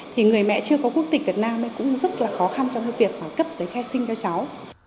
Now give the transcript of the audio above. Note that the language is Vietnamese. thì người mẹ chưa có quốc tịch việt nam thì cũng rất là khó khăn trong việc cấp giấy khai sinh cho cháu